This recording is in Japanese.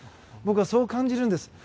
僕はそう感じるんです。